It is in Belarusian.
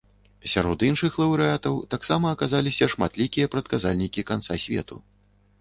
Сярод іншых лаўрэатаў таксама аказаліся шматлікія прадказальнікі канца свету.